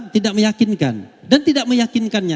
tidak meyakinkan dan tidak meyakinkannya